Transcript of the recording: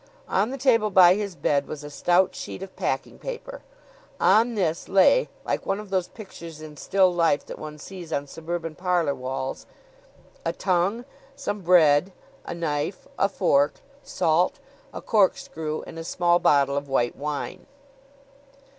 On the table by his bed was a stout sheet of packing paper. On this lay, like one of those pictures in still life that one sees on suburban parlor walls, a tongue, some bread, a knife, a fork, salt, a corkscrew and a small bottle of white wine.